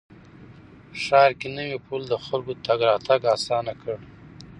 ښار کې نوی پل د خلکو تګ راتګ اسانه کړ